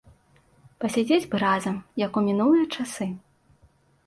Пасядзець бы разам, як у мінулыя часы.